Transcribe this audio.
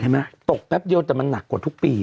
ไหมตกแป๊บเดียวแต่มันหนักกว่าทุกปี